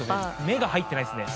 「メガ」入ってないですね。